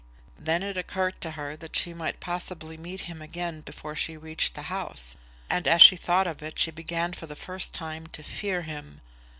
Then it occurred to her that she might possibly meet him again before she reached the house; and, as she thought of it, she began for the first time to fear him.